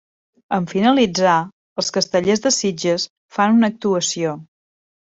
En finalitzar, els Castellers de Sitges fan una actuació.